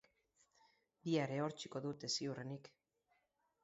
Bihar ehortziko dute ziurrenik.